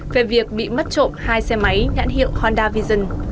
về việc bị mất trộm hai xe máy nhãn hiệu honda vision